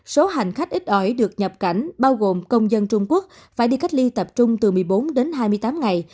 số hành khách ít ỏi được nhập cảnh bao gồm công dân trung quốc phải đi cách ly tập trung từ một mươi bốn đến hai mươi tám ngày